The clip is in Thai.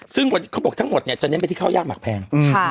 ซึ่งเขาบอกทั้งหมดเนี่ยจะเน้นไปที่ข้าวยากหมักแพง